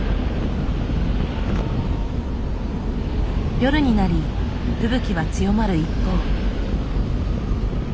夜になり吹雪は強まる一方。